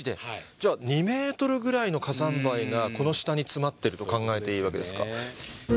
じゃあ、２メートルぐらいの火山灰が、この下に詰まってると考えていいわけですか。